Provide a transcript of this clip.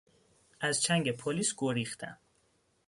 از چنگ پلیس گریختن